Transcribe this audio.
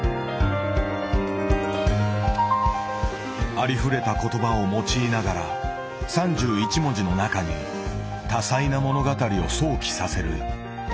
ありふれた言葉を用いながら３１文字の中に多彩な物語を想起させる俵の短歌。